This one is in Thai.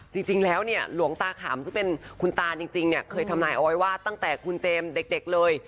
จริงแล้วเนี่ยหลวงตาขำซึ่งเป็นคุณตาจริงเนี่ยเคยทำนายเอาไว้ว่าตั้งแต่คุณเจมส์เด็กเลย